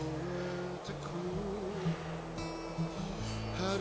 はい。